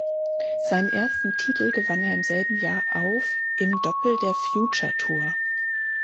Seinen ersten Titel gewann er im selben Jahr auf im Doppel der Future Tour.